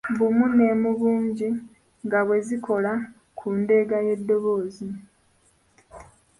Bumu ne mu bungi nga bwe zikola ku ndeega y’eddoboozi.